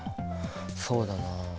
そうだなあ。